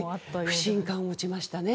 不信感を持ちましたね。